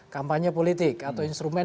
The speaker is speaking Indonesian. kampanye politik atau instrumen